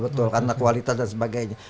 betul karena kualitas dan sebagainya